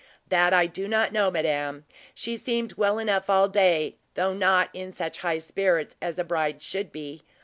"That I do not know, madam. She seemed well enough all day, though not in such high spirits as a bride should be.